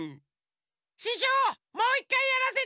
ししょうもういっかいやらせて！